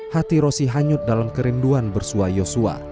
hati rosti hanyut dalam kerinduan bersuai yosua